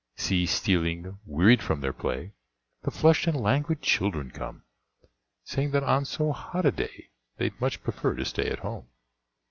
See stealing, wearied from their play, The flushed and languid children come, Saying that on so hot a day They'd much prefer to stay at home.